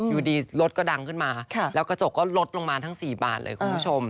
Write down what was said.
อยู่ดีรถก็ดังขึ้นมาแล้วกระจกก็ลดลงมาทั้ง๔บาทเลยคุณผู้ชม